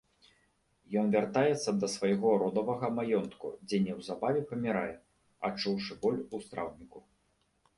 Ён вяртаецца да свайго родавага маёнтку, дзе неўзабаве памірае, адчуўшы боль у страўніку.